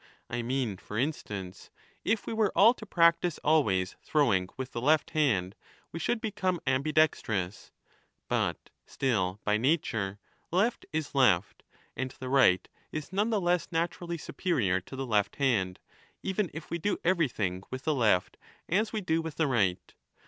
I mean, for instance, if we were all to practise always throwing with the left hand, we should become ambidextrous. But still 35 by nature left is left, and the right is none the less naturally superior to the left hand, even if we do everything with BOOK I. 33 n94' the left as we do with the right.